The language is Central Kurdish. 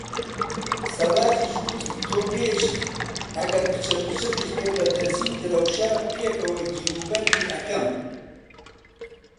سەڕاجیش وتی: تۆ بێژی ئەگەر پچڕپچڕیش بێ بە دەرزی و درەوشە پێکەوە گیروبەندی ئەکەم.